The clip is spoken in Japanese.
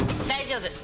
大丈夫！